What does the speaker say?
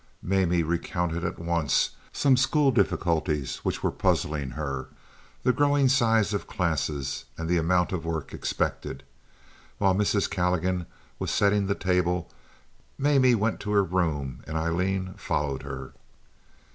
Mamie recounted at once some school difficulties which were puzzling her—the growing size of classes and the amount of work expected. While Mrs. Calligan was setting the table Mamie went to her room and Aileen followed her.